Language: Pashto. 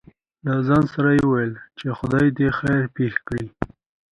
له ځان سره يې وويل :چې خداى دې خېر پېښ کړي.